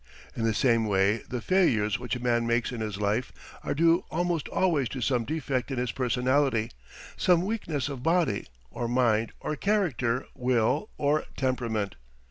In the same way the failures which a man makes in his life are due almost always to some defect in his personality, some weakness of body, or mind, or character, will, or temperament.